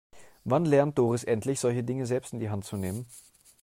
Wann lernt Doris endlich, solche Dinge selbst in die Hand zu nehmen?